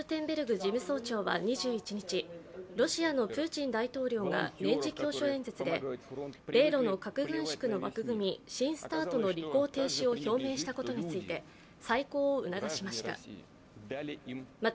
事務総長は２１日、ロシアのプーチン大統領が年次教書演説で、米ロの核軍縮の枠組み、新ＳＴＡＲＴの履行停止を表明したことについて再考を促しました。